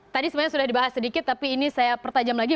tadi sebenarnya sudah dibahas sedikit tapi ini saya pertajam lagi